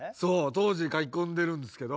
当時書き込んでるんですけど。